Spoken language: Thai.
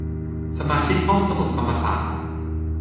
สมาชิกห้องสมุดธรรมศาสตร์